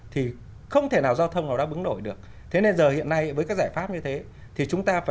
thì chúng ta phải